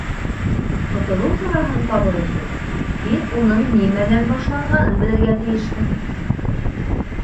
— Ҡотолоу сараһын табыр өсөн, һин уның нимәнән башланғанын белергә тейешһең.